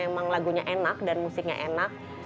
emang lagunya enak dan musiknya enak